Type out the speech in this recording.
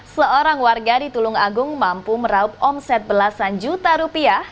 seorang warga di tulung agung mampu meraup omset belasan juta rupiah